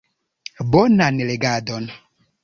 Bonan legadon!